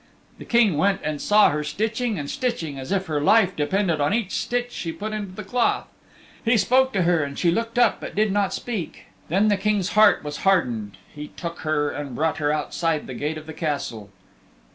The King went and saw her stitching and stitching as if her life depended on each stitch she put into the cloth. He spoke to her and she looked up but did not speak. Then the King's heart was hardened. He took her and brought her outside the gate of the Castle.